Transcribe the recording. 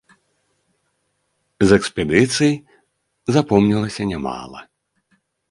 З экспедыцый запомнілася нямала.